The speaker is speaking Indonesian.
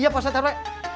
iya pak ustadz rw